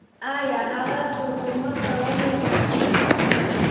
آيا هغه څه کمک کولی نشي.